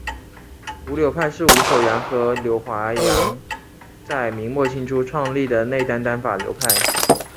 伍柳派是伍守阳和柳华阳在明末清初创立的内丹丹法流派。